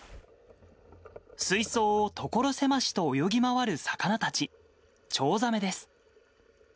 水槽を所狭しと泳ぎ回る魚たち、チョウザメです。